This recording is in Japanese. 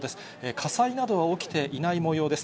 火災などは起きていないもようです。